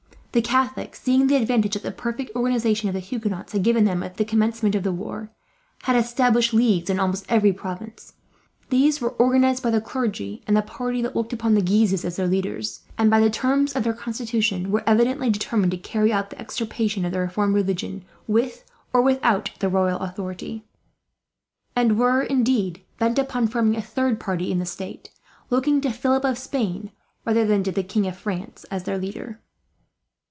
The Catholics, seeing the advantage that the perfect organization of the Huguenots had given them at the commencement of the war, had established leagues in almost every province. These were organized by the clergy, and the party that looked upon the Guises as their leaders and, by the terms of their constitution, were evidently determined to carry out the extirpation of the reformed religion, with or without the royal authority; and were, indeed, bent upon forming a third party in the state, looking to Philip of Spain rather than to the King of France as their leader.